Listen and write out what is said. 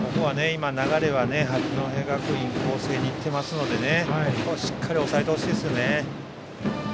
今、流れは八戸学院光星にいっていますのでねしっかり抑えてほしいですね。